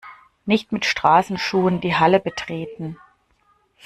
Nicht mit Straßenschuhen die Halle betreten!